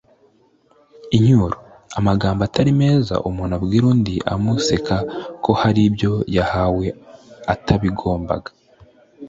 incyuro: amagambo atari meza umuntu abwira undi amuseka ko hari ibyo yahawe atabigombaga